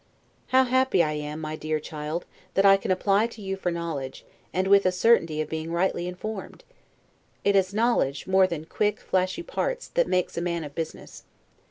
How happy am I, my dear child, that I can apply to you for knowledge, and with a certainty of being rightly informed! It is knowledge, more than quick, flashy parts, that makes a man of business.